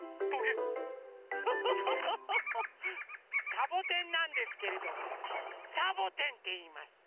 サボテンなんですけれどもサボテンっていいます。